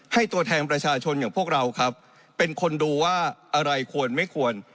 ตัวแทนประชาชนอย่างพวกเราครับเป็นคนดูว่าอะไรควรไม่ควร